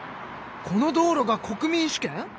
この道路が国民主権？